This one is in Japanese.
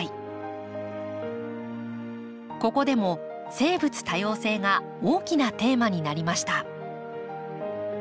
ここでも生物多様性が大きなテーマになりました。